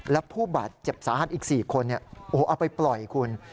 และผู้บาดเจ็บสาหัสอีก๔คนเอาไปปล่อยคุณ